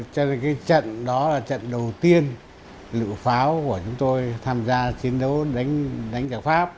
trên cái trận đó là trận đầu tiên lựu pháo của chúng tôi tham gia chiến đấu đánh trạc pháp